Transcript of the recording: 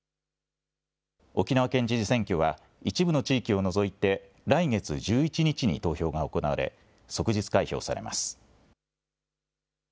沖縄県知事選挙は一部の地域を除いて来月１１日に投票が行われ即日開票されます。